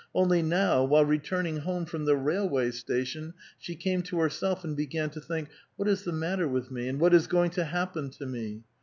Only now, while returning* home from the railway station, she came to herself, and began to think, ''What is the matter with me, and what is going to happen to me